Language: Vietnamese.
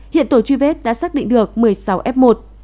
hiện tổ truy vết đã xác định được một mươi sáu f một